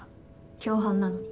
共犯なのに。